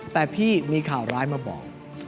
แต่พี่มีข่าวร้ายมาบอก